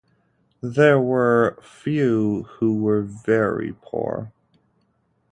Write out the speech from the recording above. There were few who were very poor.